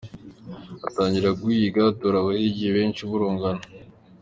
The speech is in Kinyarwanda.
atangira guhiga. Atora abahigi benshi b’urungano